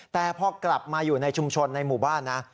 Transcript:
แต่พอกลับมาอยู่ในชุมชนในหมู่บ้านนะ